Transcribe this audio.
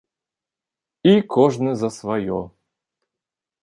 І кожны за сваё.